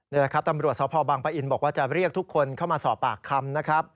นี่แหละครับตำรวจสพบังปะอินบอกว่าจะเรียกทุกคนเข้ามาสอบปากคำนะครับ